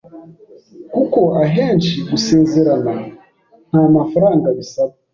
kuko ahenshi gusezerana nta mafaranga bisaba